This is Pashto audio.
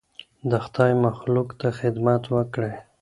د خدای مخلوق ته خدمت وکړئ.